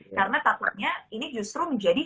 karena takutnya ini justru menjadi